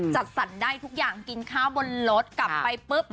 จัดสรรได้ทุกอย่างกินข้าวบนรถกลับไปปุ๊บ